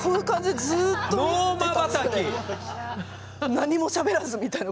何もしゃべらずみたいな。